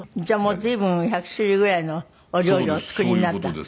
じゃあもう随分１００種類ぐらいのお料理をお作りになった？